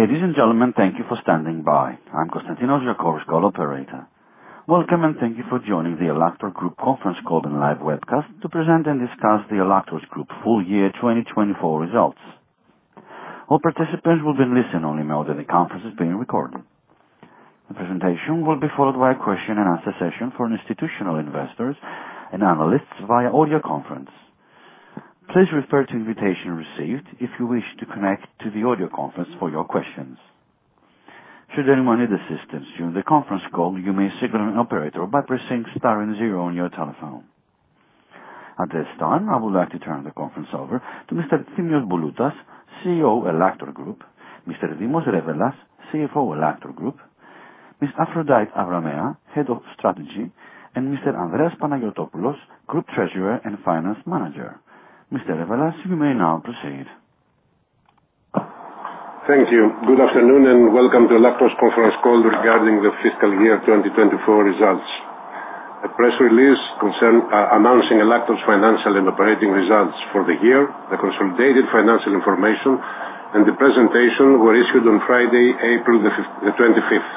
Ladies and gentlemen, thank you for standing by. I'm Konstantinos, your coverage call operator. Welcome, and thank you for joining the Ellaktor Group Conference Call and Live Webcast to present and discuss the Ellaktor Group Full Year 2024 Results. All participants will be in listen-only mode. The conference is being recorded. The presentation will be followed by a question and answer session for institutional investors and analysts via audio conference. Please refer to the invitation received if you wish to connect to the audio conference for your questions. Should anyone need assistance during the conference call, you may signal an operator by pressing star and zero on your telephone. At this time, I would like to turn the conference over to Mr. Efthymios Bouloutas, CEO Ellaktor Group; Mr. Dimos Revelas, CFO Ellaktor Group; Ms. Aphrodite Avramea, Head of Strategy; and Mr. Andreas Papanagiotopoulos, Group Treasurer and Finance Manager. Mr. Revelas, you may now proceed. Thank you. Good afternoon and welcome to Ellaktor's Conference Call regarding the Fiscal Year 2024 results. The press release announcing Ellaktor's financial and operating results for the year, the consolidated financial information, and the presentation were issued on Friday, April the 25th.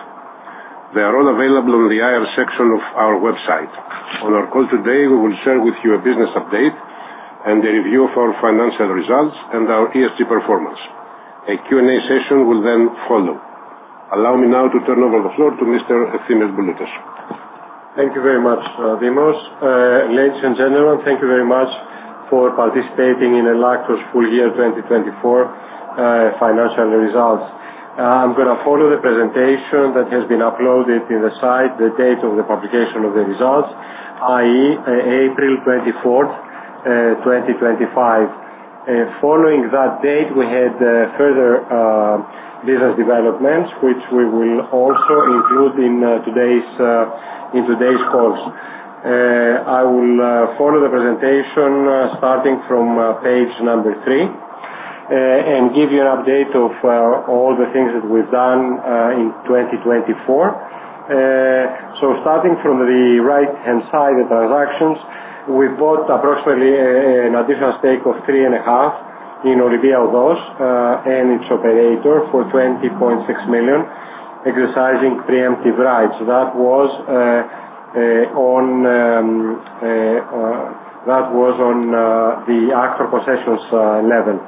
They are all available on the IR section of our website. On our call today, we will share with you a business update and a review of our financial results and our ESG performance. A Q&A session will then follow. Allow me now to turn over the floor to Mr. Efthymios Bouloutas. Thank you very much, Dimos. Ladies and gentlemen, thank you very much for participating in Ellaktor's Full Year 2024 Financial Results. I'm going to follow the presentation that has been uploaded to the site, the date of the publication of the results, i.e., April 24th, 2025. Following that date, we had further business developments which we will also include in today's calls. I will follow the presentation starting from page number three and give you an update of all the things that we've done in 2024. Starting from the right-hand side, the transactions, we bought approximately an additional stake of three and a half in Olympia Odos and its operator for 20.6 million, exercising preemptive rights. That was on the AKTOR Concessions level.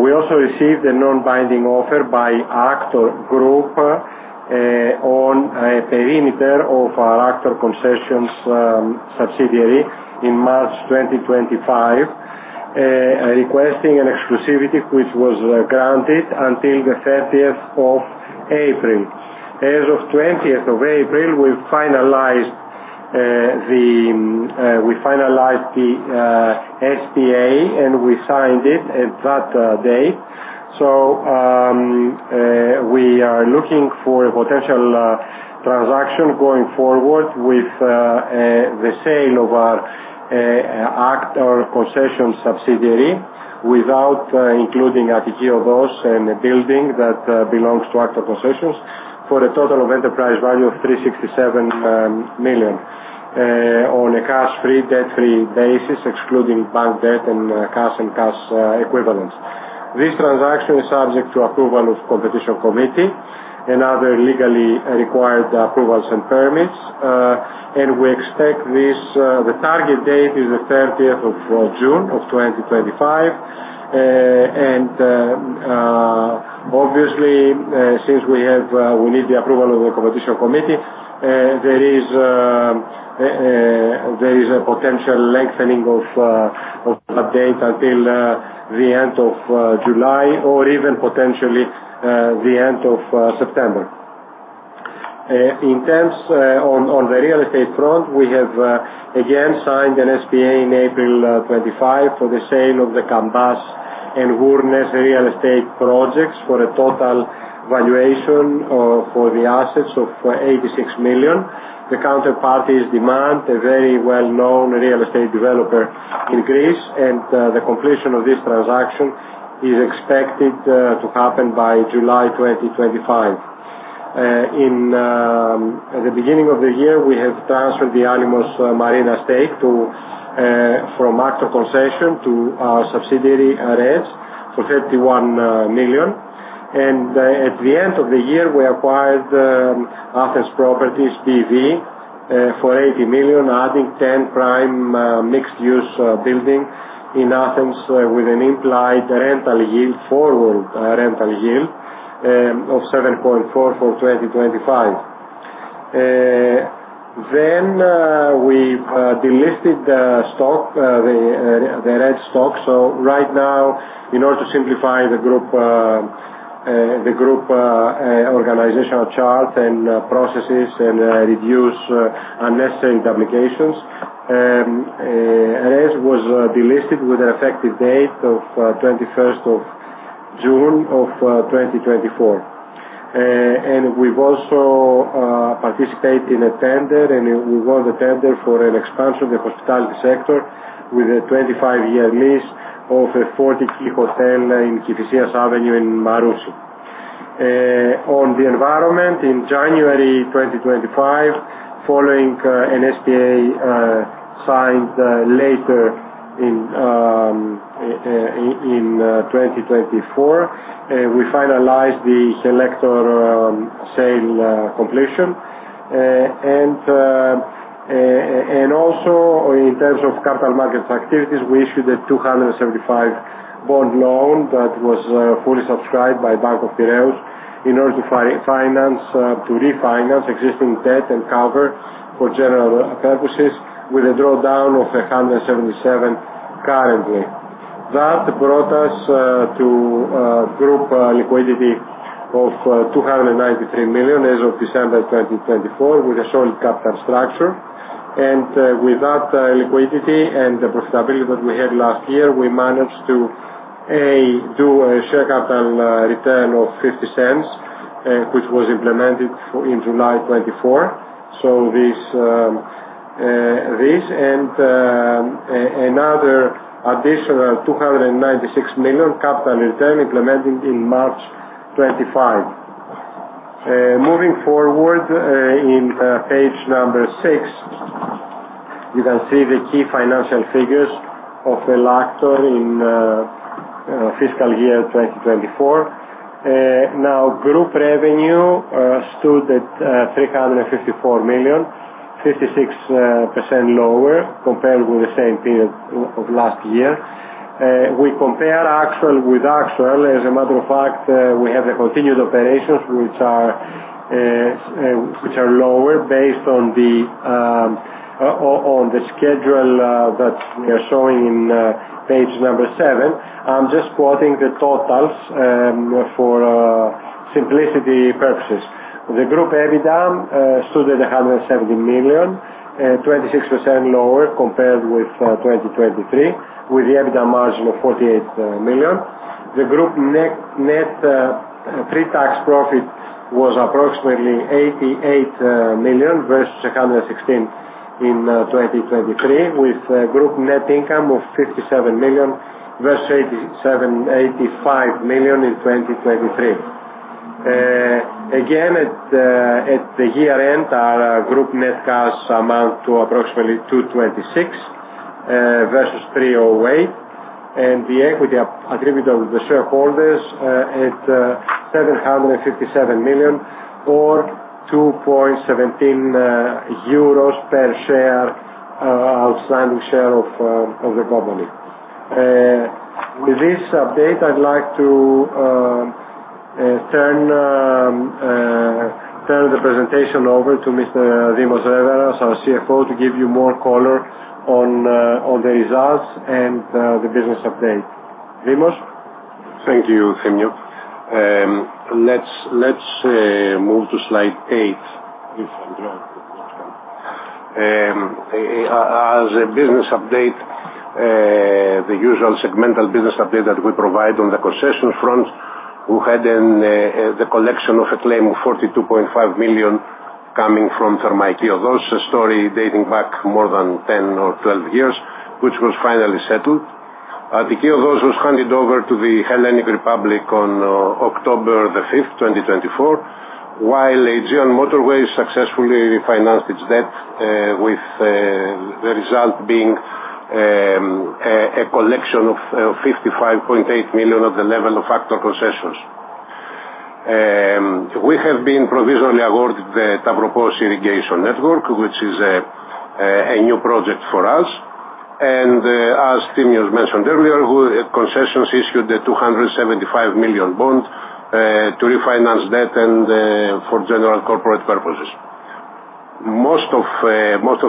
We also received a non-binding offer by Ellaktor Group on a perimeter of our AKTOR Concessions subsidiary in March 2025, requesting an exclusivity which was granted until the 30th of April. As of the 20th of April, we finalized the SPA and we signed it at that date. We are looking for a potential transaction going forward with the sale of our AKTOR Concessions subsidiary without including Attiki Odos and the building that belongs to AKTOR Concessions for a total enterprise value of 367 million on a cash-free, debt-free basis, excluding bank debt and cash and cash equivalents. This transaction is subject to approval of the competition committee and other legally required approvals and permits, and we expect this the target date is the 30th of June of 2025. Obviously, since we need the approval of the competition committee, there is a potential lengthening of that date until the end of July or even potentially the end of September. In terms on the real estate front, we have again signed an SPA in April 2025 for the sale of the Kambas and Wurnes real estate projects for a total valuation for the assets of 86 million. The counterpart is Dimand, a very well-known real estate developer in Greece, and the completion of this transaction is expected to happen by July 2025. In the beginning of the year, we have transferred the Alimos Marina stake from AKTOR Concessions to our subsidiary REZ for 31 million. At the end of the year, we acquired Athens Properties BV for 80 million, adding 10 prime mixed-use buildings in Athens with an implied rental yield, forward rental yield of 7.4% for 2025. We delisted the stock, the REZ stock. Right now, in order to simplify the group organizational charts and processes and reduce unnecessary duplications, REZ was delisted with an effective date of 21st of June of 2024. We also participated in a tender, and we won the tender for an expansion of the hospitality sector with a 25-year lease of a 40-key hotel in Kifisias Avenue in Marousi. On the environment, in January 2025, following an SPA signed later in 2024, we finalized the Helector sale completion. Also, in terms of capital markets activities, we issued a 275 million bond loan that was fully subscribed by Bank of Piraeus in order to refinance existing debt and cover for general purposes with a drawdown of 177 million currently. That brought us to a group liquidity of 293 million as of December 2024 with a solid capital structure. With that liquidity and the profitability that we had last year, we managed to, A, do a share capital return of 0.50, which was implemented in July 2024. This, and another additional 296 million capital return implemented in March 2025. Moving forward, in page number six, you can see the key financial figures of Ellaktor in fiscal year 2024. Now, group revenue stood at 354 million, 56% lower compared with the same period of last year. We compare actual with actual. As a matter of fact, we have the continued operations which are lower based on the schedule that we are showing in page number seven. I'm just quoting the totals for simplicity purposes. The group EBITDA stood at 170 million, 26% lower compared with 2023, with the EBITDA margin of 48 million. The group net pre-tax profit was approximately 88 million versus 116 million in 2023, with group net income of 57 million versus 85 million in 2023. At the year end, our group net cash amounted to approximately 226 million versus 308 million. The equity attributable to the shareholders was 757 million or 2.17 euros per share, outstanding share of the company. With this update, I'd like to turn the presentation over to Mr. Dimos Revelas, our CFO, to give you more color on the results and the business update. Dimos? Thank you, Efthymios. Let's move to slide eight if I'm right. As a business update, the usual segmental business update that we provide on the concession front, we had the collection of a claim of 42.5 million coming from Thermae Odos, a story dating back more than 10 or 12 years, which was finally settled. Attiki Odos was handed over to the Hellenic Republic on October the 5th, 2024, while Aegean Motorways successfully financed its debt, with the result being a collection of 55.8 million at the level of AKTOR Concessions. We have been provisionally awarded the Tavropos Irrigation Network, which is a new project for us. As Thimios mentioned earlier, concessions issued the 275 million bond to refinance debt and for general corporate purposes. Most of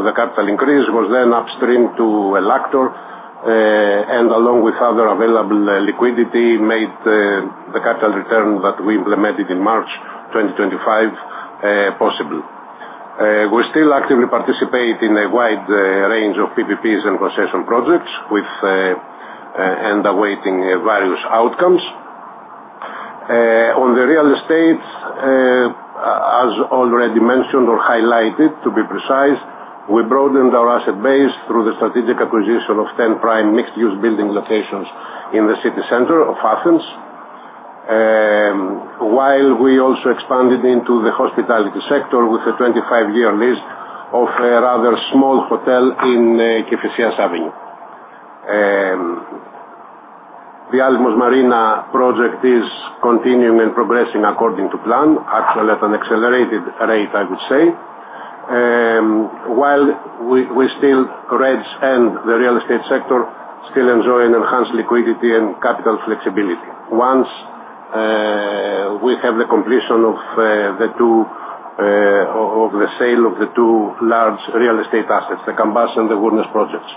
the capital increase was then upstreamed to Ellaktor, and along with other available liquidity, made the capital return that we implemented in March 2025 possible. We still actively participate in a wide range of PPPs and concession projects and are awaiting various outcomes. On the real estate, as already mentioned or highlighted, to be precise, we broadened our asset base through the strategic acquisition of 10 prime mixed-use building locations in the city center of Athens, while we also expanded into the hospitality sector with a 25-year lease of a rather small hotel in Kifisias Avenue. The Alimos Marina project is continuing and progressing according to plan, actually at an accelerated rate, I would say, while we still, REZ and the real estate sector, still enjoy an enhanced liquidity and capital flexibility once we have the completion of the sale of the two large real estate assets, the Kambas and the Wurnes projects.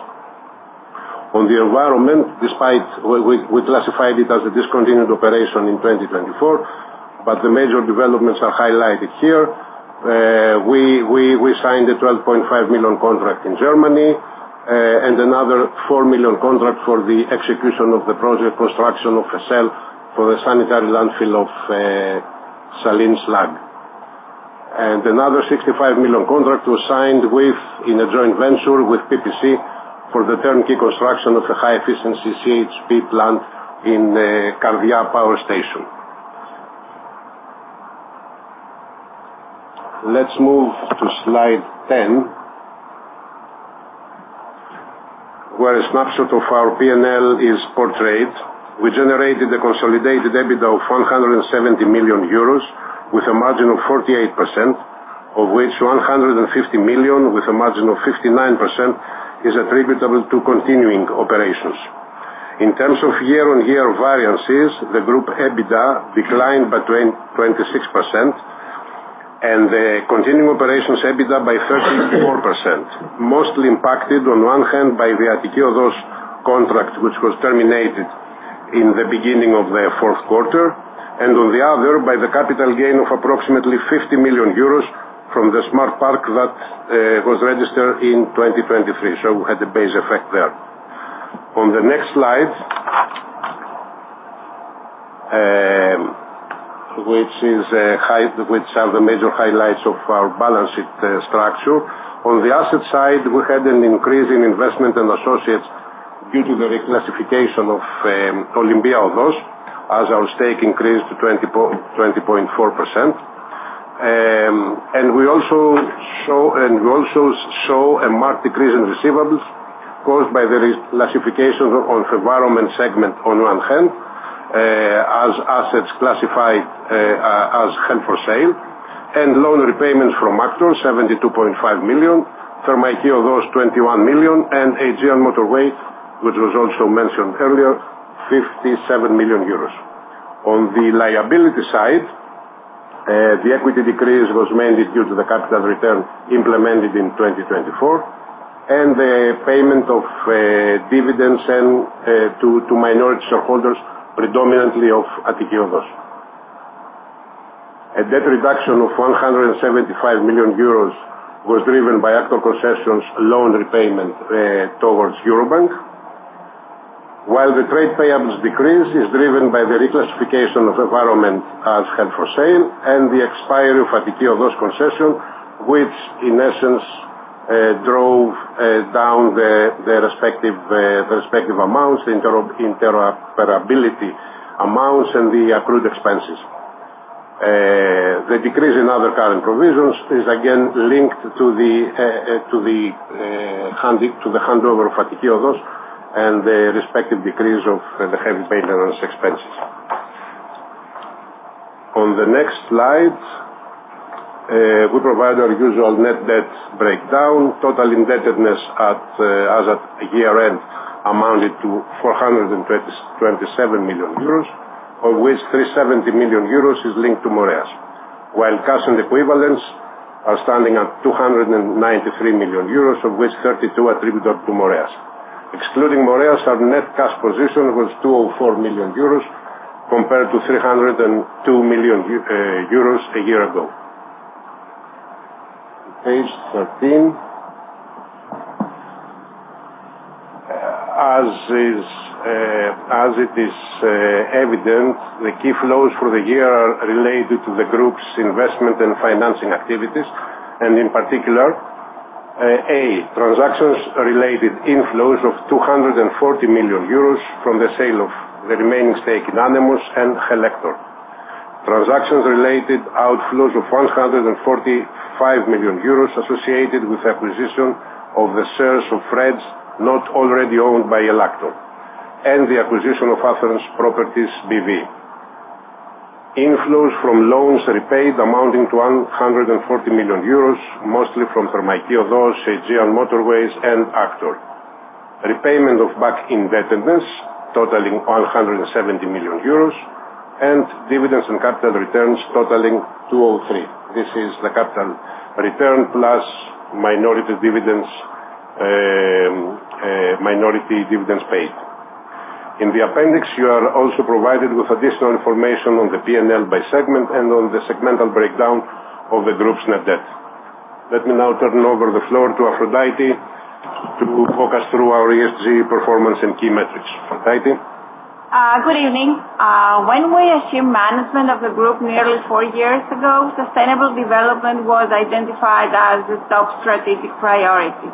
On the environment, despite we classified it as a discontinued operation in 2024, the major developments are highlighted here. We signed a 12.5 million contract in Germany and another 4 million contract for the execution of the project construction of a cell for the sanitary landfill of Salines Lag. Another 65 million contract was signed in a joint venture with PPC for the turnkey construction of a high-efficiency CHP plant in Kardia Power Station. Let's move to slide 10, where a snapshot of our P&L is portrayed. We generated a consolidated EBITDA of 170 million euros with a margin of 48%, of which 150 million with a margin of 59% is attributable to continuing operations. In terms of year-on-year variances, the group EBITDA declined by 26% and the continuing operations EBITDA by 34%, mostly impacted on one hand by the Attiki Odos contract, which was terminated in the beginning of the fourth quarter, and on the other by the capital gain of approximately 50 million euros from the smart park that was registered in 2023. We had a base effect there. On the next slide, which are the major highlights of our balance sheet structure. On the asset side, we had an increase in investment and associates due to the reclassification of Olympia Odos as our stake increased to 20.4%. We also show a marked decrease in receivables caused by the reclassification of environment segment on one hand as assets classified as held for sale, and loan repayments from AKTOR, 72.5 million, Attiki Odos, 21 million, and Aegean Motorway, which was also mentioned earlier, 57 million euros. On the liability side, the equity decrease was mainly due to the capital return implemented in 2024 and the payment of dividends to minority shareholders, predominantly of Attiki Odos. A debt reduction of 175 million euros was driven by AKTOR Concessions loan repayment towards Eurobank, while the trade payables decrease is driven by the reclassification of environment as held for sale and the expiry of Attiki Odos concession, which in essence drove down the respective amounts, the interoperability amounts, and the accrued expenses. The decrease in other current provisions is again linked to the handover of Attiki Odos and the respective decrease of the heavy maintenance expenses. On the next slide, we provide our usual net debt breakdown. Total indebtedness as at year end amounted to 427 million euros, of which 370 million euros is linked to Moreas, while cash and equivalents are standing at 293 million euros, of which 32 million attributed to Moreas. Excluding Moreas, our net cash position was 204 million euros compared to 302 million euros a year ago. Page 13, as it is evident, the key flows for the year are related to the group's investment and financing activities, and in particular, A, transactions related inflows of 240 million euros from the sale of the remaining stake in Alimos and Helector. Transactions related outflows of 145 million euros associated with acquisition of the shares of REZ not already owned by Ellaktor and the acquisition of Athens Properties BV. Inflows from loans repaid amounting to 140 million euros, mostly from Thermae Dos, Aegean Motorways, and AKTOR. Repayment of back indebtedness totaling 170 million euros and dividends and capital returns totaling 203 million. This is the capital return plus minority dividends paid. In the appendix, you are also provided with additional information on the P&L by segment and on the segmental breakdown of the group's net debt. Let me now turn over the floor to Aphrodite to walk us through our ESG performance and key metrics. Aphrodite? Good evening. When we assumed management of the group nearly four years ago, sustainable development was identified as the top strategic priority.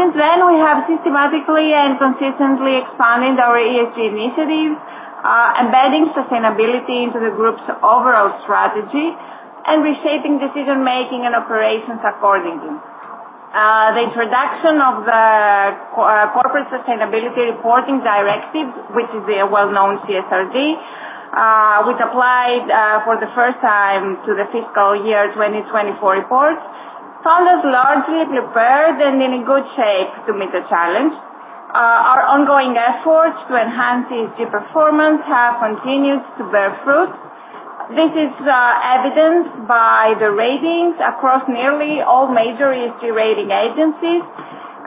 Since then, we have systematically and consistently expanded our ESG initiatives, embedding sustainability into the group's overall strategy and reshaping decision-making and operations accordingly. The introduction of the Corporate Sustainability Reporting Directive, which is the well-known CSRD, which applied for the first time to the fiscal year 2024 reports, found us largely prepared and in good shape to meet the challenge. Our ongoing efforts to enhance ESG performance have continued to bear fruit. This is evidenced by the ratings across nearly all major ESG rating agencies.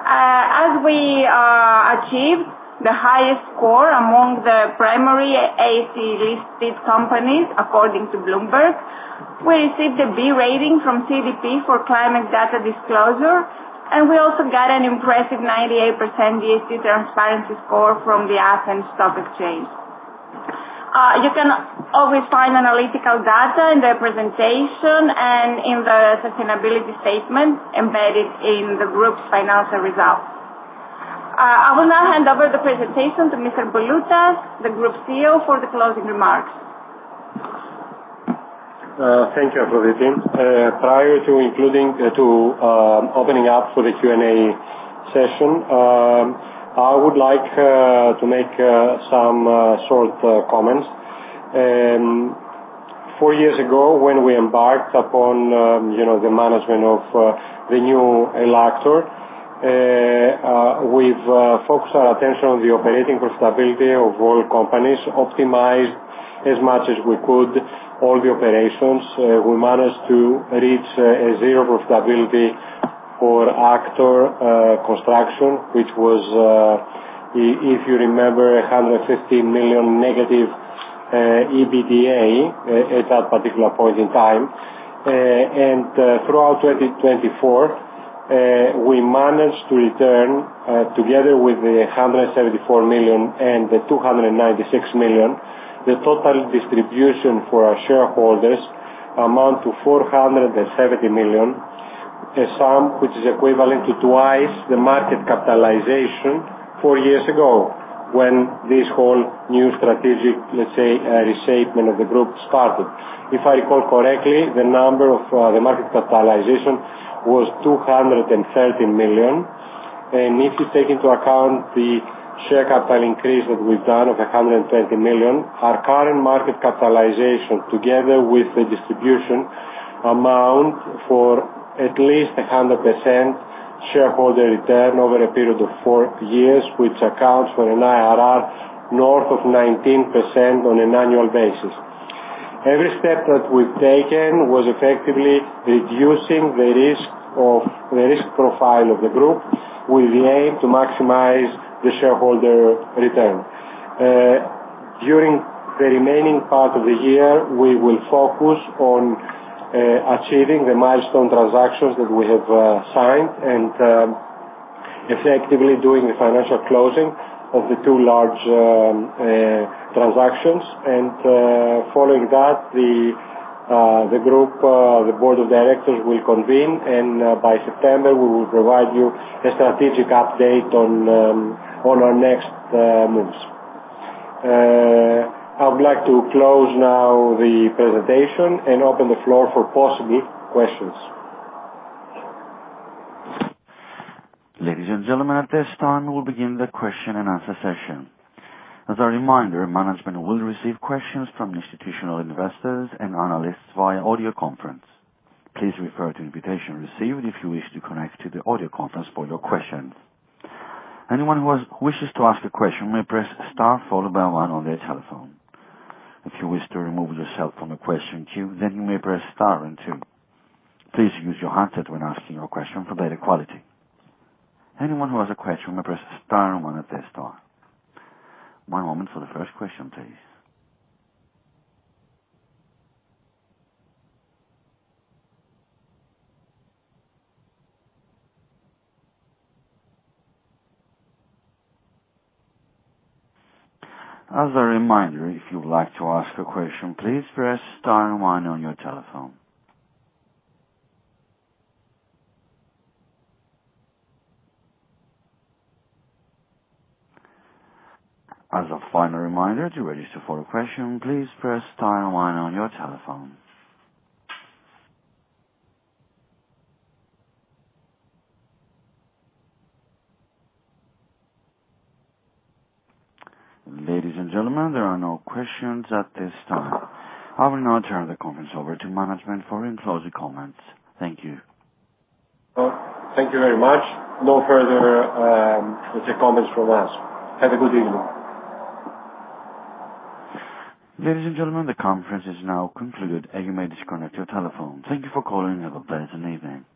As we achieved the highest score among the primary AC listed companies according to Bloomberg, we received a B rating from CDP for climate data disclosure, and we also got an impressive 98% GST transparency score from the Athens Stock Exchange. You can always find analytical data in the presentation and in the sustainability statement embedded in the group's financial results. I will now hand over the presentation to Mr. Bouloutas, the Group CEO, for the closing remarks. Thank you, Aphrodite. Prior to opening up for the Q&A session, I would like to make some short comments. Four years ago, when we embarked upon the management of the new Ellaktor, we've focused our attention on the operating profitability of all companies, optimized as much as we could all the operations. We managed to reach a zero profitability for AKTOR construction, which was, if you remember, 115 million negative EBITDA at that particular point in time. Throughout 2024, we managed to return, together with the 174 million and the 296 million, the total distribution for our shareholders amounted to 470 million, a sum which is equivalent to twice the market capitalization four years ago when this whole new strategic, let's say, reshapement of the group started. If I recall correctly, the number of the market capitalization was 213 million. If you take into account the share capital increase that we've done of 120 million, our current market capitalization, together with the distribution, amounts for at least 100% shareholder return over a period of four years, which accounts for an IRR north of 19% on an annual basis. Every step that we've taken was effectively reducing the risk profile of the group with the aim to maximize the shareholder return. During the remaining part of the year, we will focus on achieving the milestone transactions that we have signed and effectively doing the financial closing of the two large transactions. Following that, the group, the Board of Directors, will convene, and by September, we will provide you a strategic update on our next moves. I would like to close now the presentation and open the floor for possible questions. Ladies and gentlemen, at this time, we'll begin the question and answer session. As a reminder, management will receive questions from institutional investors and analysts via audio conference. Please refer to the invitation received if you wish to connect to the audio conference for your questions. Anyone who wishes to ask a question may press star followed by one on their telephone. If you wish to remove yourself from the question queue, then you may press star and two. Please use your handset when asking your question for better quality. Anyone who has a question may press star and one at this time. One moment for the first question, please. As a reminder, if you would like to ask a question, please press star and one on your telephone. As a final reminder, to register for a question, please press star and one on your telephone. Ladies and gentlemen, there are no questions at this time. I will now turn the conference over to management for enclosed comments. Thank you. Thank you very much. No further comments from us. Have a good evening. Ladies and gentlemen, the conference is now concluded, and you may disconnect your telephone. Thank you for calling. Have a pleasant evening.